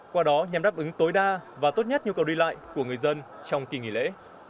qua đó nhằm đáp ứng tối đa và tốt nhất nhu cầu đi lại của người dân trong kỳ nghỉ lễ